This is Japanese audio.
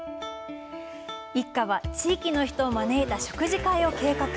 一家は地域の人を招いた食事会を計画。